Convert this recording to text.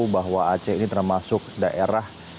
bahwa aceh ini termasuk daerah